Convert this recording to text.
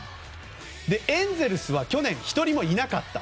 エンゼルスは去年１人もいなかった。